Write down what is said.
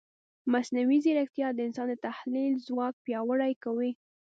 مصنوعي ځیرکتیا د انسان د تحلیل ځواک پیاوړی کوي.